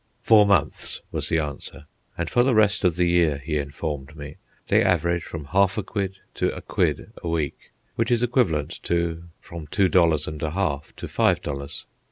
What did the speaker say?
"Four months," was the answer; and for the rest of the year, he informed me, they average from "half a quid" to a "quid" a week, which is equivalent to from two dollars and a half to five dollars.